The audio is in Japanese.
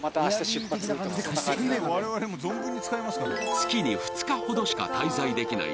月に２日ほどしか滞在できない